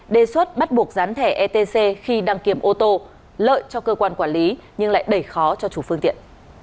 đề xuất bắt buộc gián thẻ etc khi đăng kiểm ô tô lợi cho cơ quan quản lý nhưng lại đẩy khó cho chủ phương tiện